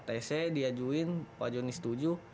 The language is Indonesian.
tesnya diajuin wajahnya setuju